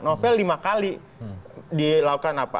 novel lima kali dilakukan apa